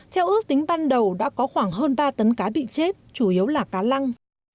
theo ước tính ban đầu đã có khoảng hơn ba tấn cá bị chết chủ yếu là cá lăng